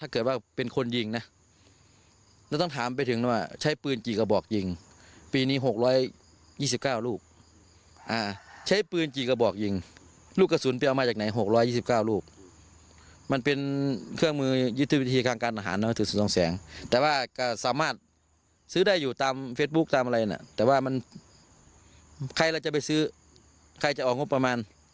ใครจะไปซื้อใครจะออกมงกกประมาณ